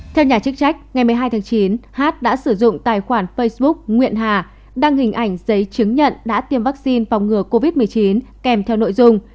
theo nhà chức trách ngày một mươi hai tháng chín hát đã sử dụng tài khoản facebook nguyện hà đăng hình ảnh giấy chứng nhận đã tiêm vaccine phòng ngừa covid một mươi chín kèm theo nội dung